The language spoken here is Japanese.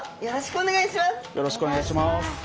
お願いします。